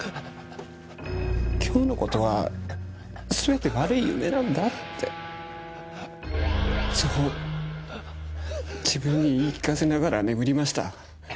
今日の事はすべて悪い夢なんだってそう自分に言い聞かせながら眠りました。